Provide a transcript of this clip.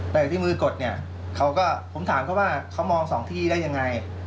แต่ที่มือกดเนี่ยเขาก็ผมถามเขาว่าเขามองสองที่ได้ยังไง